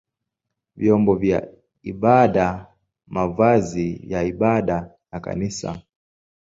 vyombo vya ibada, mavazi ya ibada na kanisa.